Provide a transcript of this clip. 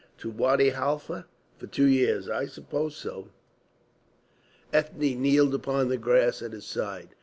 "To Wadi Halfa. For two years. I suppose so." Ethne kneeled upon the grass at his side.